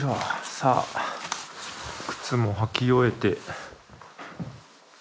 さあ靴も履き終えて。